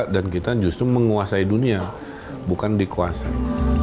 dan kita justru menguasai dunia bukan dikuasai